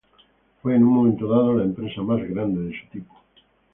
Fue, en un momento dado, la empresa más grande de su tipo.